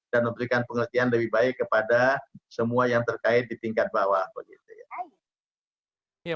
dan memberikan pengertian lebih baik kepada semua yang terkait di tingkat bawah